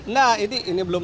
nah ini belum